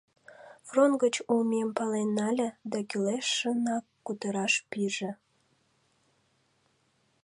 Фронт гыч улмем пален нале да кӱлешынак кутыраш пиже.